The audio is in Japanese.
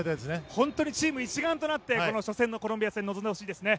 本当にチーム一丸となってコロンビア戦に臨んでもらいたいですね。